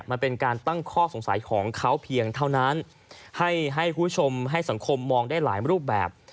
มันเป็นการตั้งข้อสงสัยของเขาเพียงเท่านั้นให้ให้คุณผู้ชมให้สังคมมองได้หลายรูปแบบ